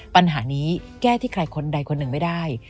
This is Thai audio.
ปัญหานี้แก้ที่ใครคนใดคนหนึ่งไม่ได้